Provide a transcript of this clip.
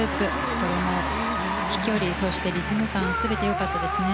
これも飛距離、そしてリズム感全てよかったですね。